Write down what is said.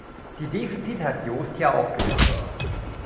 Die Defizite hat Joost ja aufgelistet.